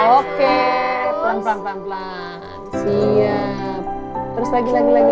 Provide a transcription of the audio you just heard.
oke pelan pelan siap terus lagi lagi lagi